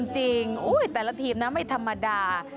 จริงอุ้ยแต่ละทีมนะไม่ธรรมดา